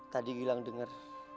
tadi gilang dengar